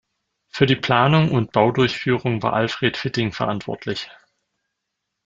Für die Planung und Baudurchführung war Alfred Fitting verantwortlich.